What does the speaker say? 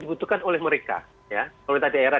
dibutuhkan oleh mereka pemerintah daerah